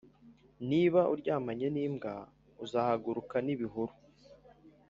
niba uryamanye n'imbwa, uzahaguruka n'ibihuru